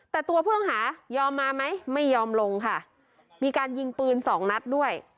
แต่ตัวผู้ต้องหายอมมาไหมไม่ยอมลงค่ะมีการยิงปืนสองนัดด้วย